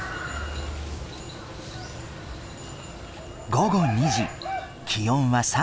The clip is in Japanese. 午後２時気温は３５度。